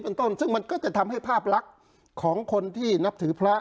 เป็นต้นซึ่งมันก็จะทำให้ภาพลักษณ์ของคนที่นับถือพระ